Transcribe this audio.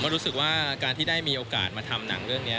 รู้สึกว่าการที่ได้มีโอกาสมาทำหนังเรื่องนี้